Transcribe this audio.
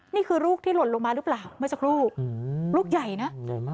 นี่คือลูกที่หล่นลงมาหรือเปล่าเมื่อสักลูกลูกใหญ่นะ